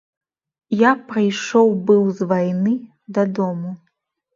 Я прыйшоў быў з вайны дадому.